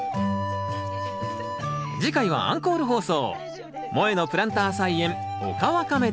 次回はアンコール放送